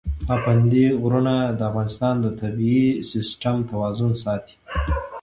پابندی غرونه د افغانستان د طبعي سیسټم توازن ساتي.